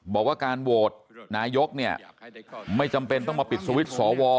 บอกว่าการโหวตนายกเนี่ยไม่จำเป็นต้องมาปิดสวิตช์สว